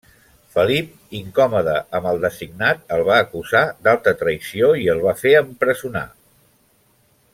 Felip, incòmode amb el designat, el va acusar d'alta traïció i el va fer empresonar.